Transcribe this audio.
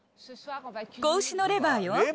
子牛のレバーよ。